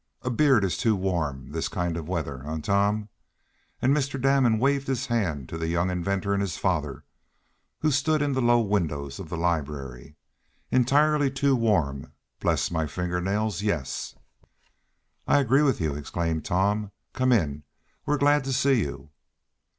A beard is too warm this kind of weather; eh, Tom?" And Mr. Damon waved his hand to the young inventor and his father, who stood in the low windows of the library. "Entirely too warm, bless my finger nails, yes!" "I agree with you!" exclaimed Tom. "Come in! We're glad to see you!"